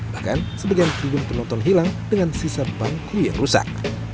bahkan sebagian tribun penonton hilang dengan sisa bangku yang rusak